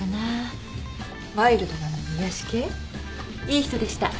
いい人でした。